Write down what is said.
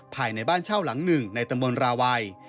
ภายในบ้านเช่าหลังหนึ่งในตำบลราวัย